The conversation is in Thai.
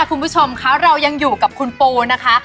คุณผู้ชมคะเรายังอยู่กับคุณปูนะคะ